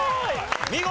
見事！